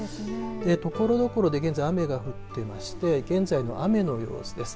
ところどころで現在雨が降っていまして現在の雨の様子です。